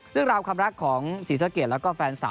เรื่องราวความรักของศรีสะเกดแล้วก็แฟนสาว